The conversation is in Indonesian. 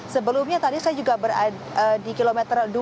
sebelumnya tadi saya juga berada di kilometer dua